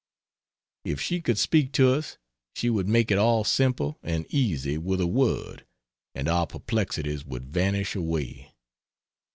If she could speak to us she would make it all simple and easy with a word, and our perplexities would vanish away.